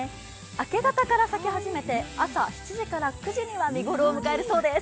明け方から咲き始めて、朝７時から９時には見ごろを迎えるそうです。